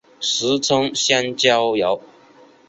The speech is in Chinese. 俗称香蕉油。